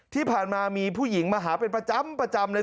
ที่ผ่านมามีผู้หญิงมาหาเป็นประจำเลย